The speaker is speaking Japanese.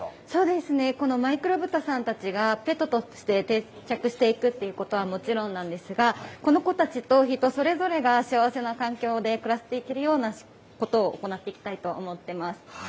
そうですね、このマイクロブタさんたちがペットとして定着していくということはもちろんなんですが、この子たちと人それぞれが幸せな環境で暮らしていけるようなことを行っていきたいと思ってます。